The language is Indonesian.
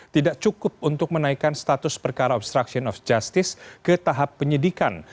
tidak cukup untuk menaikkan status perkara obstruction of justice ke tahap penyidikan